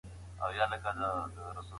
تلوار خطا ته لاره ده